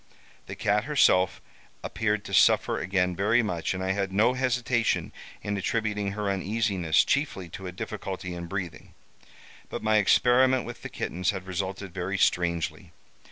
The cat herself appeared to suffer again very much, and I had no hesitation in attributing her uneasiness chiefly to a difficulty in breathing; but my experiment with the kittens had resulted very strangely.